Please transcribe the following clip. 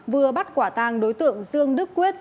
vừa bắt quả tàng đối tượng dương đức quyết